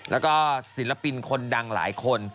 แล้วก็ศิลปินคนดังหลายคน